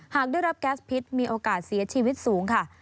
หากได้รับแก๊สพิษมีโอกาสเสียชีวิตสูงค่ะ